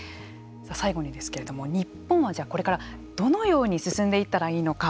最後にですけれども日本はこれからどのように進んでいったらいいのか。